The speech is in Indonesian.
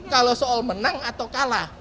kalau soal menang atau kalah